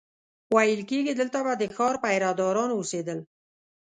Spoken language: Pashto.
ویل کېږي دلته به د ښار پیره داران اوسېدل.